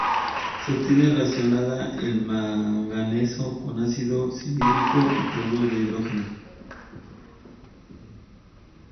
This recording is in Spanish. Se obtiene reaccionando el manganeso con ácido clorhídrico o cloruro de hidrógeno.